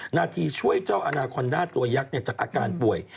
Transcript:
หน้าที่ช่วยเจ้าอาณาคอนด้าตัวยักษ์จากอาการป่วย